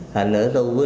thành ra tôi